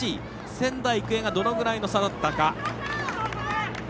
仙台育英がどのぐらいの差だったか。